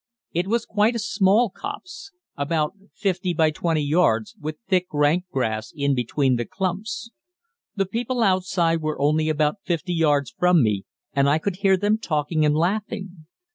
It was quite a small copse, about 50 by 20 yards, with thick rank grass in between the clumps. The people outside were only about 50 yards from me, and I could hear them talking and laughing.